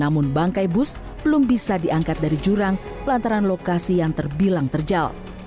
tapiem additions menunjukan terbit jokbus dikurang lewat lokasi yang terjedid